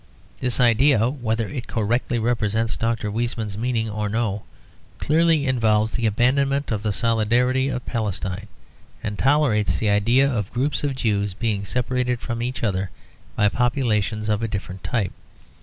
This idea, whether it correctly represents Dr. Weizmann's meaning or no, clearly involves the abandonment of the solidarity of Palestine, and tolerates the idea of groups of Jews being separated from each other by populations of a different type.